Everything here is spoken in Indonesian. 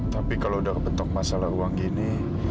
tapi kalau udah kebetok masalah uang gini